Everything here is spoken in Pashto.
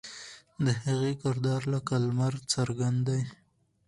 د هغې کردار لکه لمر څرګند دی.